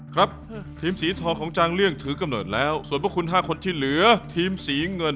ครับทีมสีทองของจางเลี่ยงถือกำเนิดแล้วส่วนพวกคุณ๕คนที่เหลือทีมสีเงิน